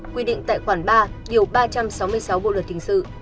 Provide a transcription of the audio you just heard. quy định tại khoản ba điều ba trăm sáu mươi sáu bộ luật hình sự